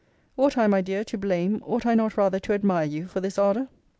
Ought I, my dear, to blame, ought I not rather to admire you for this ardor?